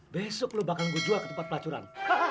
besok lu bakal gue jual ke tempat pelacuran